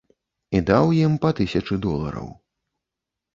І даў ім па тысячы долараў.